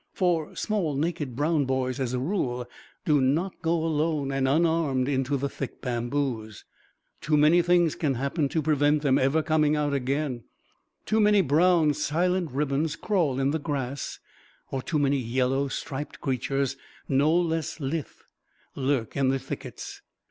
For small naked brown boys, as a rule, do not go alone and unarmed into the thick bamboos. Too many things can happen to prevent them ever coming out again; too many brown silent ribbons crawl in the grass, or too many yellow, striped creatures, no less lithe, lurk in the thickets.